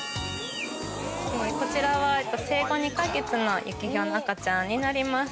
こちらは生後２か月のユキヒョウの赤ちゃんになります。